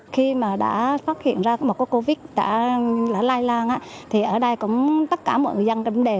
khi mà đã phát hiện ra một cái covid đã lay lan thì ở đây cũng tất cả mọi người dân trong đề